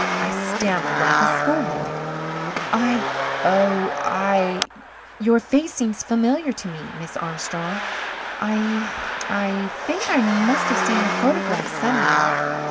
I stammered like a schoolboy. "I oh I your face seems familiar to me, Miss Armstrong. I I think I must have seen your photograph somewhere."